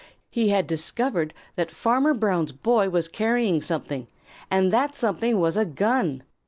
He had discovered that Farmer Brown's boy was carrying something and that that something was a gun!